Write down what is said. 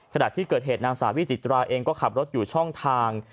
ขณะที่เกิดเหตุนางสาววิจิตราเองก็ขับรถอยู่ช่องทาง